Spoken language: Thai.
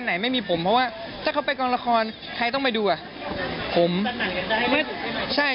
ใช่ถ้าหนังเร่งร่านได้